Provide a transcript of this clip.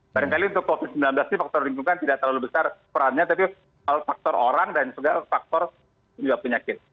banyak kali untuk covid sembilan belas ini faktor lingkungan tidak terlalu besar perannya tapi faktor orang dan faktor penyakit